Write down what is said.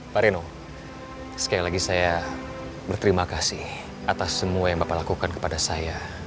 pak reno sekali lagi saya berterima kasih atas semua yang bapak lakukan kepada saya